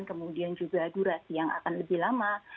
kemudian juga durasi yang akan lebih lama